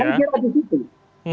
saya kira di situ